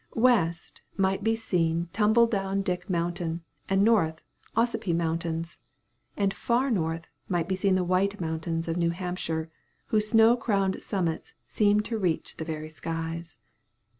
West, might be seen Tumble down dick Mountain; and north, the Ossipee Mountains; and far north, might be seen the White Mountains of New Hampshire, whose snow crowned summits seemed to reach the very skies.